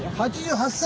８８歳。